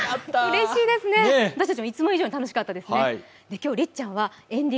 私たちもいつも以上に楽しかったですね。